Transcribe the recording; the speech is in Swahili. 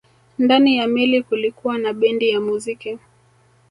Ndani ya meli kulikuwa na bendi ya muziki